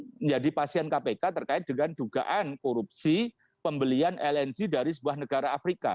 menjadi pasien kpk terkait dengan dugaan korupsi pembelian lng dari sebuah negara afrika